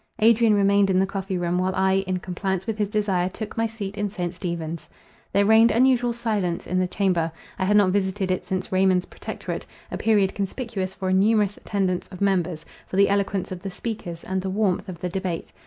Adrian remained in the coffee room, while I, in compliance with his desire, took my seat in St. Stephen's. There reigned unusual silence in the chamber. I had not visited it since Raymond's protectorate; a period conspicuous for a numerous attendance of members, for the eloquence of the speakers, and the warmth of the debate.